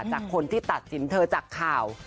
จากคนที่ตัดสินเธอจากข่าว